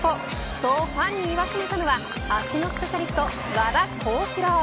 そう、ファンに言わしめたのは足のスペシャリスト和田康士朗。